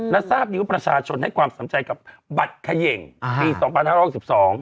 และทราบอยู่ประชาชนให้ความสำใจกับบัตรเขย่งปี๒๕๖๒